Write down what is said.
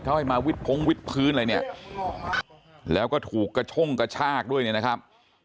เขาห้ามาวิบพงวิบพื้นอะไรเนี่ยแล้วก็ถูกกะช่งกะชากด้วยนะครับ